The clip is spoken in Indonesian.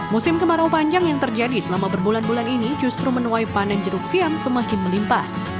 musim kemarau panjang yang terjadi selama berbulan bulan ini justru menuai panen jeruk siam semakin melimpah